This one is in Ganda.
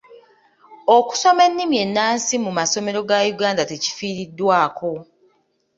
Okusoma ennimi ennansi mu masomero ga Uganda tekifiiriddwako.